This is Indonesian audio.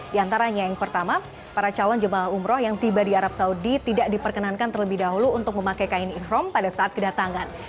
di antaranya yang pertama para calon jemaah umroh yang tiba di arab saudi tidak diperkenankan terlebih dahulu untuk memakai kain ikhrom pada saat kedatangan